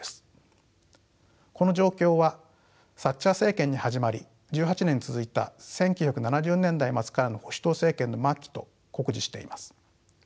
この状況はサッチャー政権に始まり１８年続いた１９７０年代末からの保守党政権の末期と酷似しています。